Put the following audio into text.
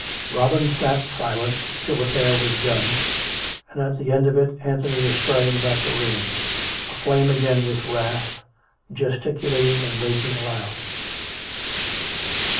Robin sat silent till the tale was done, and at the end of it Anthony was striding about the room, aflame again with wrath, gesticulating and raging aloud.